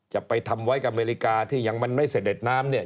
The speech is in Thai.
จะไปทำไว้กับอเมริกาที่ยังมันไม่เสด็จน้ำเนี่ย